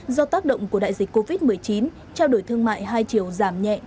do tác động của đại dịch covid một mươi chín trao đổi thương mại hai chiều giảm nhẹ